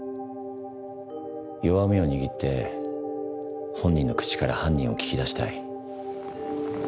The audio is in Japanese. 弱みを握って本人の口から犯人を聞き出したい。